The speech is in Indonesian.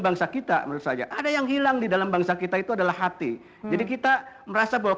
bangsa kita menurut saja ada yang hilang di dalam bangsa kita itu adalah hati jadi kita merasa bahwa